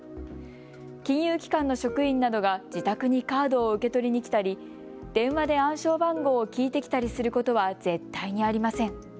金融機関の職員などが自宅にカードを受け取りに来たり、電話で暗証番号を聞いてきたりすることは絶対にありません。